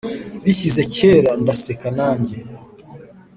bishyize kera ndaseka nanjye